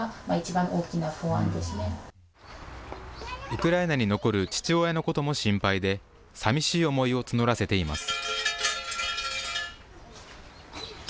ウクライナに残る父親のことも心配で、さみしい思いを募らせています。